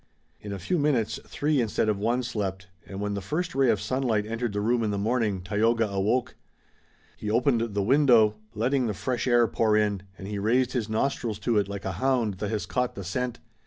In a few minutes three instead of one slept, and when the first ray of sunlight entered the room in the morning Tayoga awoke. He opened the window, letting the fresh air pour in, and he raised his nostrils to it like a hound that has caught the scent.